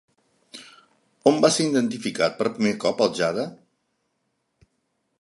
On va ser identificat per primer cop el jade?